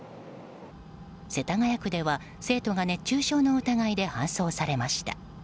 世田谷区では生徒が熱中症の疑いで搬送されました。